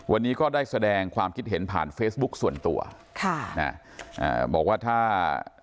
วันนี้ก็ได้แสดงความคิดเห็นผ่านเฟซบุ๊คส่วนตัวค่ะนะอ่าบอกว่าถ้า